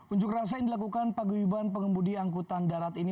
unjuk rasa yang dilakukan pagi ribuan pengembudi angkutan darat ini